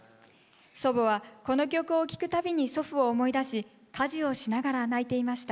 祖母はこの曲を聴くたびに祖父を思い出し家事をしながら泣いていました。